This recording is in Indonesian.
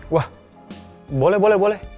wah boleh boleh boleh